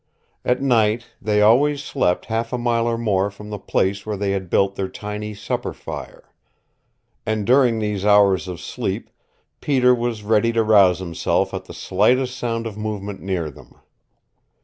At night they always slept half a mile or more from the place where they had built their tiny supper fire. And during these hours of sleep Peter was ready to rouse himself at the slightest sound of movement near them.